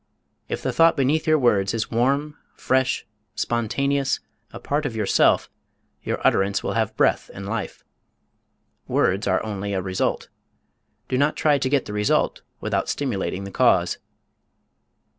If the thought beneath your words is warm, fresh, spontaneous, a part of your self, your utterance will have breath and life. Words are only a result. Do not try to get the result without stimulating the cause.